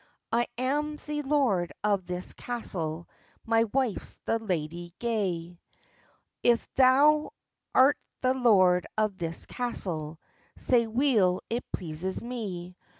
"I am the lord of this castle, My wife's the lady gaye." "If thou'rt the lord of this castle, Sae weel it pleases me!